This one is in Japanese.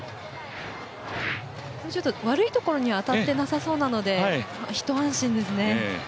悪いところに当たってなさそうなので一安心ですね。